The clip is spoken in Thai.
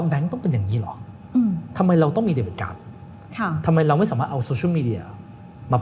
เป็นเพราะอะไรครับ